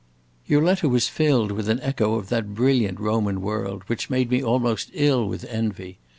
"Your letter was filled with an echo of that brilliant Roman world, which made me almost ill with envy.